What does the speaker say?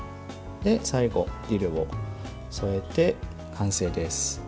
最後、ディルを添えて完成です。